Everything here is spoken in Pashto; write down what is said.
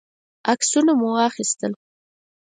عکسونه مو واخیستل.